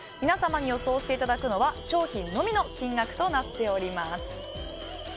皆様に予想していただくのは商品のみの金額となっております。